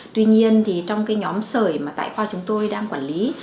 tuy nhiên trong nhóm sởi mà tại khoa chúng tôi đang quản lý